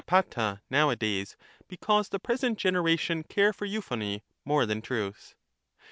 into Pherephatta now a days, because the present generation care for euphony more than truth.